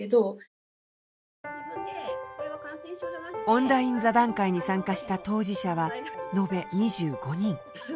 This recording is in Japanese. オンライン座談会に参加した当事者は延べ２５人。